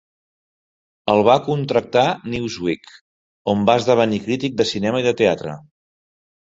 El va contractar "Newsweek", on va esdevenir crític de cinema i de teatre.